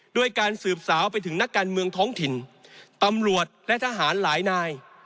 ด้วยการสืบสาวไปถึงนักการเมืองท้องถิ่นตำรวจและทหารหลายนาย